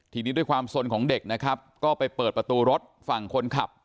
ทีนี้ด้วยความสนของเด็กนะครับก็ไปเปิดประตูรถฝั่งคนขับ